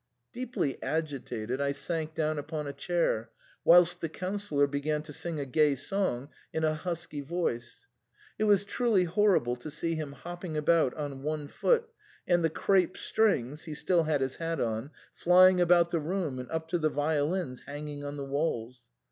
Deeply agitated, I sank down upon a chair, whilst the Councillor began to sing a gay song in a husky voice ; it was truly horrible to see him hopping about on one foot, and the crape strings (he still had his hat on) flying about the room and up to the violins hanging on the walls.